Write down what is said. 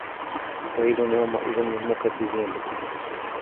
وَيْلٌ يَوْمَئِذٍ لِلْمُكَذِّبِينَ